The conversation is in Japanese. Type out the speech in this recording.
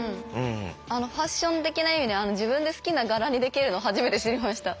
ファッション的な意味で自分で好きな柄にできるの初めて知りました。